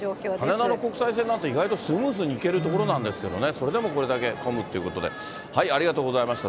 羽田の国際線なんて、意外とスムーズにいけるところなんですけどね、それでもこれだけ混むということで、ありがとうございました。